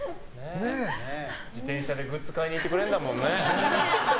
自転車でグッズ買いに行ってくれるんだもんね。